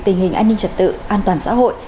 tình hình an ninh trật tự an toàn xã hội